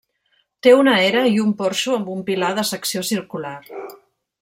Té una era i un porxo amb un pilar de secció circular.